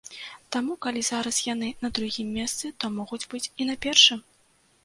Таму, калі зараз яны на другім месцы, то могуць быць і на першым!